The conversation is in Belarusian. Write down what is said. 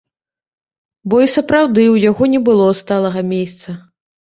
Бо і сапраўды ў яго не было сталага мейсца.